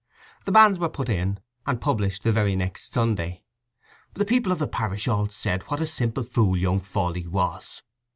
The banns were put in and published the very next Sunday. The people of the parish all said what a simple fool young Fawley was.